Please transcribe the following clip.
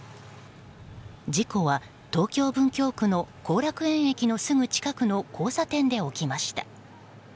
事故は東京・文京区の後楽園駅のすぐ近くの交差点で起きました。